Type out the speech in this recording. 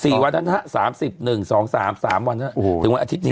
สี่วันนะฮะสามสิบหนึ่งสองสามสามวันนะฮะถึงวันอาทิตย์นี้